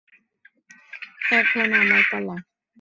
এখন আমার পালা।